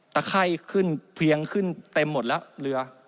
ไข้ขึ้นเพลียงขึ้นเต็มหมดแล้วเรือ